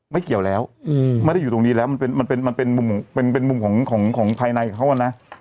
เกี่ยวแล้วไม่ได้อยู่ตรงนี้แล้วมันเป็นมุมของภายในเขาอะนะ